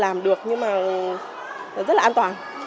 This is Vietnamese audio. làm được nhưng mà rất là an toàn